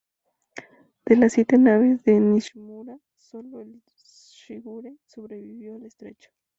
De las siete naves de Nishimura, sólo el "Shigure" sobrevivió al Estrecho.